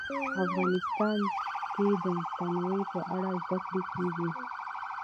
افغانستان کې د تنوع په اړه زده کړه کېږي.